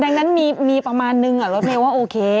ดังนั้นมีประมาณนึงรถเมลว่าโอเค